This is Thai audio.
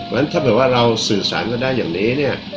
เพราะฉะนั้นถ้าเราสื่อสารก็ได้อย่างนี้เนี่ย